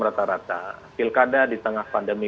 rata rata pilkada di tengah pandemi